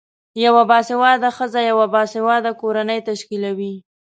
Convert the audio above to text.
یوه باسیواده خځه یوه باسیواده کورنۍ تشکلوی